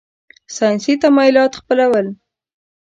ساینسي تمایلات خپلول.